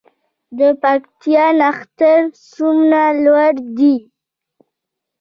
د پکتیا نښتر څومره لوړ دي؟